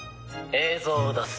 「映像を出す。